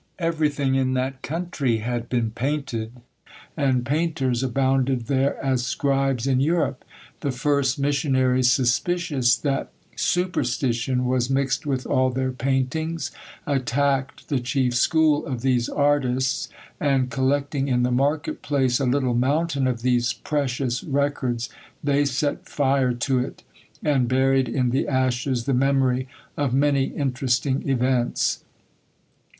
Everything in that country had been painted, and painters abounded there as scribes in Europe. The first missionaries, suspicious that superstition was mixed with all their paintings, attacked the chief school of these artists, and collecting, in the market place, a little mountain of these precious records, they set fire to it, and buried in the ashes the memory of many interesting events.